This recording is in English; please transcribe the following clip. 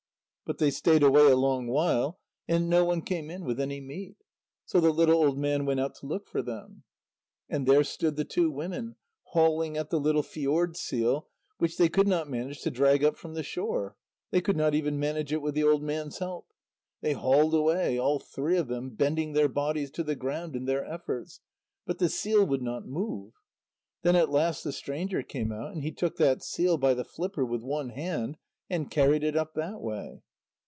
But they stayed away a long while, and no one came in with any meat. So the little old man went out to look for them. And there stood the two women, hauling at the little fjord seal, which they could not manage to drag up from the shore. They could not even manage it with the old man's help. They hauled away, all three of them, bending their bodies to the ground in their efforts, but the seal would not move. Then at last the stranger came out, and he took that seal by the flipper with one hand, and carried it up that way.